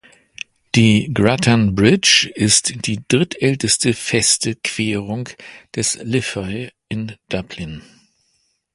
Die Grattan Bridge ist die drittälteste feste Querung des Liffey in Dublin.